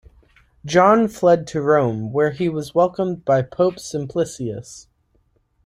John fled to Rome, where he was welcomed by Pope Simplicius.